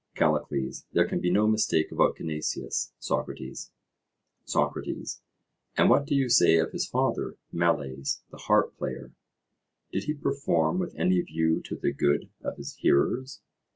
CALLICLES: There can be no mistake about Cinesias, Socrates. SOCRATES: And what do you say of his father, Meles the harp player? Did he perform with any view to the good of his hearers?